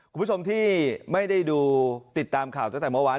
คุณผู้ชมที่ไม่ได้ดูติดตามข่าวตั้งแต่เมื่อวาน